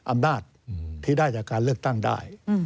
อำนาจที่ได้จากการเลือกตั้งได้